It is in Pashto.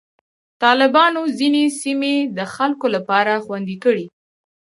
طالبانو ځینې سیمې د خلکو لپاره خوندي کړې.